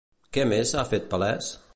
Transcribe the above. Què més ha fet palès?